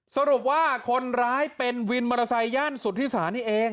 สรุปว่าคนร้ายเป็นวินมอเตอร์ไซค์ย่านสุธิสานี่เอง